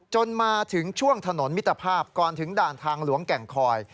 จนมาถึงช่วงถนนมิตรภาพก่อนถึงด่านทางหลวงแก่งคอย